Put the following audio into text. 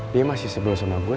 dia masih sebel sama gue